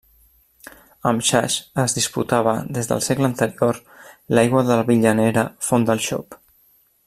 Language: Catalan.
Amb Saix es disputava des del segle anterior l'aigua de la villenera Font del Xop.